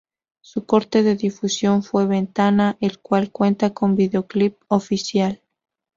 Su corte de difusión fue "Ventana", el cual cuenta con videoclip oficial.